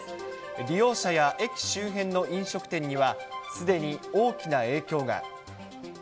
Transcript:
利用者や駅周辺の飲食店には、すでに大きな影響が。